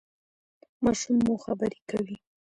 ماشوم مو خبرې کوي؟